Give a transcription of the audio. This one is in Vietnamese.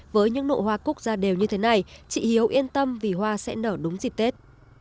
với những nụ hoa cúc ra đều như thế này chị hiếu yên tâm vì hoa sẽ nở đúng dịp tết